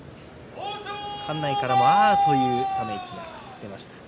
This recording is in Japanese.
館内からああっというため息が出ました。